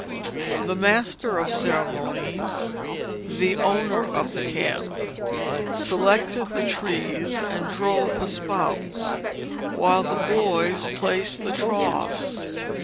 The master of ceremonies the owner of the camp selected the trees and drove the spouts, while the boys placed the troughs.